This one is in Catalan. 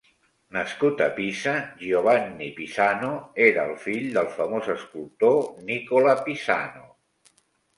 Nascut a Pisa, Giovanni Pisano era el fill del famós escultor Nicola Pisano.